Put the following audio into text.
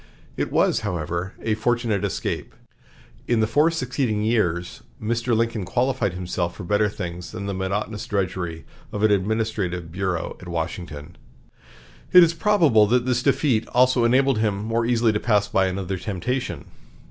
It was, however, a fortunate escape. In the four succeeding years Mr. Lincoln qualified himself for better things than the monotonous drudgery of an administrative bureau at Washington. It is probable that this defeat also enabled him more easily to pass by another temptation.